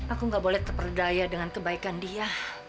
aku gak boleh terperdaya dengan kebaikan dia